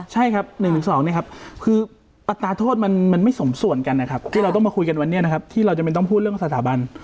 ใช่ครับ๑๒เนี่ยครับคืออัตราโทษมันไม่สมส่วนกันนะครับที่เราต้องมาคุยกันวันนี้นะครับที่เราจะไม่ต้องพูดเรื่องสถาบัน